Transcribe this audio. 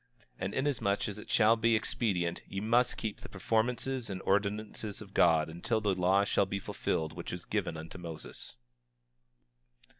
25:30 And, inasmuch as it shall be expedient, ye must keep the performances and ordinances of God until the law shall be fulfilled which was given unto Moses.